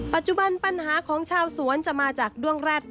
ปัจจุบันปัญหาของชาวสวนจะมาจากด้วงแร็ด